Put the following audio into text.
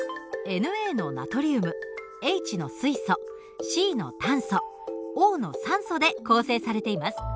ＮａのナトリウムＨの水素Ｃの炭素Ｏの酸素で構成されています。